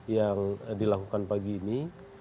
yang dilakukan pagi ini